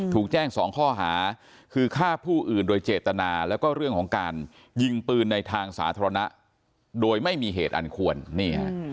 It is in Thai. ถูกแจ้งสองข้อหาคือฆ่าผู้อื่นโดยเจตนาแล้วก็เรื่องของการยิงปืนในทางสาธารณะโดยไม่มีเหตุอันควรนี่ฮะ